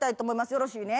よろしいね。